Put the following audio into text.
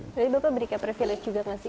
jadi bapak berikan privilege juga ke nasib